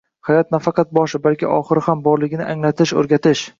Hayot nafaqat boshi, balki oxiri ham borligini anglatish o'rgating.